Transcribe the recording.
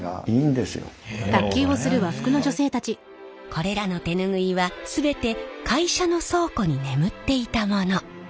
これらの手ぬぐいは全て会社の倉庫に眠っていたもの。